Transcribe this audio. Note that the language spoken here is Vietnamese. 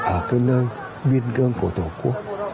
ở nơi ông viên gương của tổ quốc